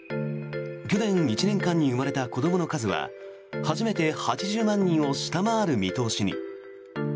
去年１年間に生まれた子どもの数は初めて８０万人を下回る見通しに。